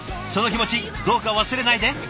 その気持ちどうか忘れないで。